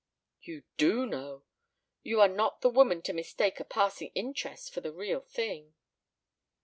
"You do know! You are not the woman to mistake a passing interest for the real thing."